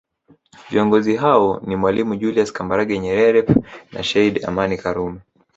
Viongozi hao ni mwalimu Julius Kambarage Nyerere na Sheikh Abed Amani Karume